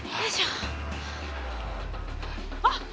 あっ！